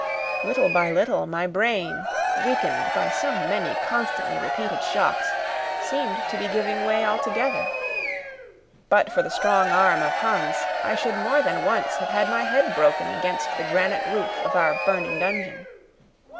Little by little my brain, weakened by so many constantly repeated shocks, seemed to be giving way altogether. But for the strong arm of Hans I should more than once have had my head broken against the granite roof of our burning dungeon.